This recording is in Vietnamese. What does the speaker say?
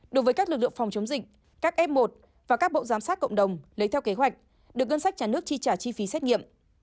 đối với các lực lượng phòng chống dịch các f một và các bộ giám sát cộng đồng lấy theo kế hoạch được ngân sách nhà nước chi trả chi phí xét nghiệm